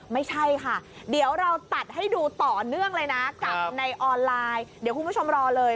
ไม่ใช่ค่ะเดี๋ยวเราตัดให้ดูต่อเนื่องเลยนะกับในออนไลน์เดี๋ยวคุณผู้ชมรอเลย